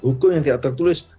hukum yang tidak tertulis